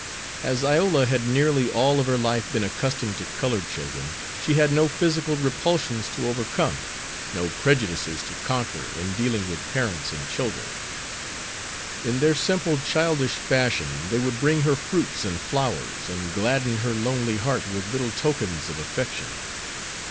As Iola had nearly all of her life been accustomed to colored children she had no physical repulsions to overcome, no prejudices to conquer in dealing with parents and children. In their simple childish fashion they would bring her fruits and flowers, and gladden her lonely heart with little tokens of affection.